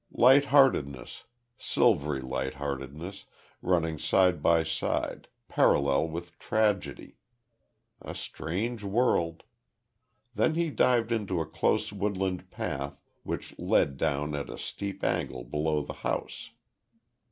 Lightheartedness, silvery lightheadedness, running side by side, parallel with tragedy! A strange world! Then he dived into a close woodland path which led down at a steep angle below the house.